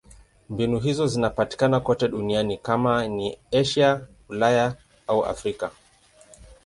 Mbinu hizo zinapatikana kote duniani: kama ni Asia, Ulaya au Afrika.